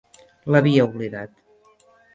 L'havia oblidat.